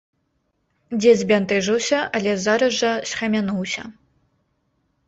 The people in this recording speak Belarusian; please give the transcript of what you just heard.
Дзед збянтэжыўся, але зараз жа схамянуўся.